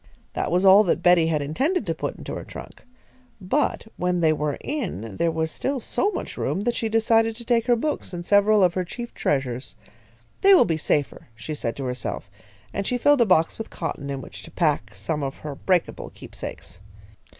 That was all that Betty had intended to put into her trunk, but when they were in, there was still so much room that she decided to take her books and several of her chief treasures. "They will be safer," she said to herself, and she filled a box with cotton in which to pack some of her breakable keepsakes.